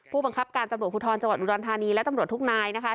ผู้บังคับการตำรวจภูทรจังหวัดอุดรธานีและตำรวจทุกนายนะคะ